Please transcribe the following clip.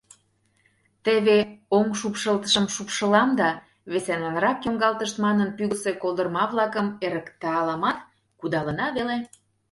Теве оҥшупшылтышым шупшылам да, веселанрак йоҥгалтышт манын, пӱгысӧ колдырма-влакым эрыкталамат, кудалына веле.